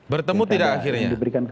bertemu tidak akhirnya